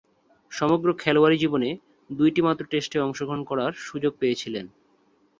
সমগ্র খেলোয়াড়ী জীবনে দুইটিমাত্র টেস্টে অংশগ্রহণ করার সুযোগ পেয়েছিলেন।